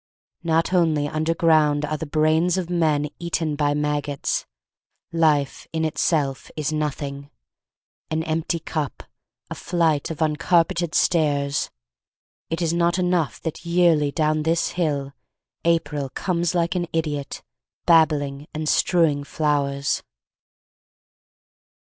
Not only under ground are the brains of men Eaten by maggots, Life in itself Is nothing, An empty cup, a flight of uncarpeted stairs. It is not enough that yearly, down this hill, April Comes like an idiot, babbling and strewing flowers.